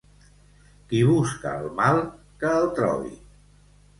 Qui busca el mal, que el trobi.